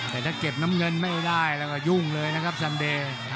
แต่ถ้าเก็บน้ำเงินไม่ได้แล้วก็ยุ่งเลยนะครับซันเดย์